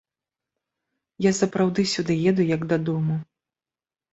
Я сапраўды сюды еду як дадому.